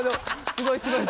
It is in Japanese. すごいすごい！